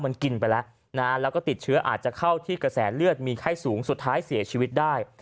มันกินไปแล้วนะแล้วก็ติดเชื้ออาจจะเข้าที่กระแสเลือดมีไข้สูงสุดท้ายเสียชีวิตได้